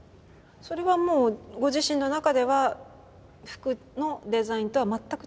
それはもうご自身の中では服のデザインとは全く違うチャンネル？